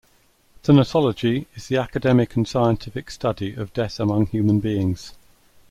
Thanatology is the academic and scientific study of death among human beings.